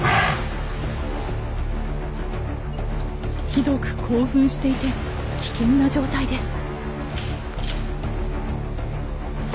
ひどく興奮していて危険な状態です。